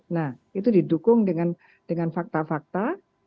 nah itu didukung dengan fakta fakta